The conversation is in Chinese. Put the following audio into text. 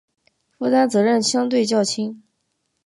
负担责任相对较轻